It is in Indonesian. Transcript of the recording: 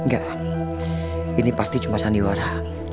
enggak ini pasti cuma sandiwara